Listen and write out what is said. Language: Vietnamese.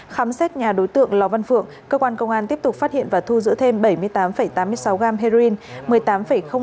khám xét nhà đối tượng lào văn phượng công an tiếp tục phát hiện và thu giữ thêm bảy mươi tám tám mươi sáu gram heroin